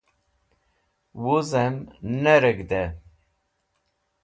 Wuzẽm ne reg̃hdẽ